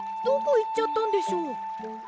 どこいっちゃったんでしょう？